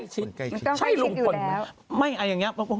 ใช่ลุงคล่อน